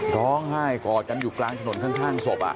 ร้องไห้กอดกันอยู่กลางถนนข้างศพ